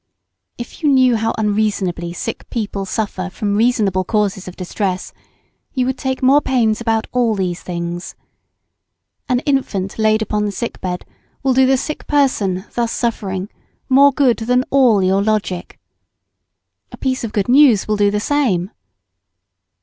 If you knew how unreasonably sick people suffer from reasonable causes of distress, you would take more pains about all these things. An infant laid upon the sick bed will do the sick person, thus suffering, more good than all your logic. A piece of good news will do the same.